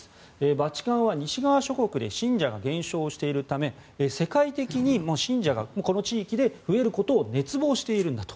バチカンは西側諸国で信者が減少しているため世界的に信者がこの地域で増えることを熱望しているんだと。